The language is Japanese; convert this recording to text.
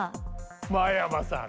真山さん